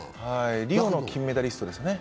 リオの金メダリストですね。